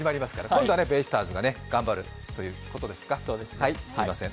今度はベイスターズが頑張るということですね。